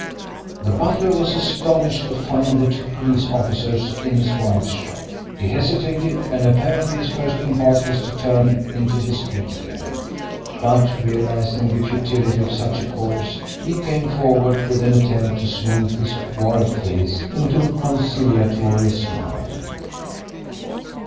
The butler was astonished at finding the two police officers in his wife's shop. He hesitated, and apparently his first impulse was to turn into the street again; but, realising the futility of such a course, he came forward with an attempt to smooth his worried face into a conciliatory smile.